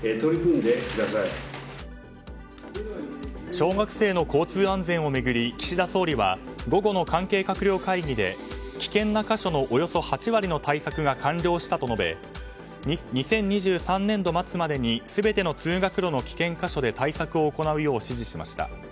小学生の交通安全を巡り岸田総理は午後の関係閣僚会議で危険な箇所のおよそ８割の対策が完了したと述べ２０２３年度末までに全ての通学路の危険箇所で対策を行うよう指示しました。